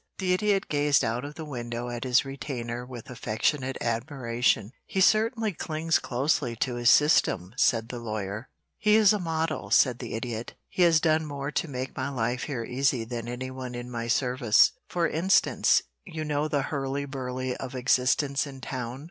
The Idiot gazed out of the window at his retainer with affectionate admiration. "He certainly clings closely to his system," said the lawyer. [Illustration: "'I FEEL THAT I COULD GO OUT AND MOW THREE ACRES OF GRASS'"] "He is a model," said the Idiot. "He has done more to make my life here easy than any one in my service. For instance, you know the hurly burly of existence in town.